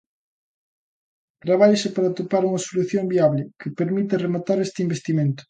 Trabállase para atopar unha solución viable que permita rematar este investimento.